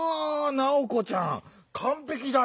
ナオコちゃんかんぺきだよ！